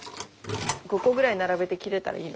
５個ぐらい並べて切れたらいいのに。